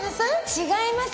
違います。